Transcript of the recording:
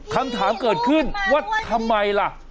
คำถามเกิดขึ้นว่าทำไมล่ะ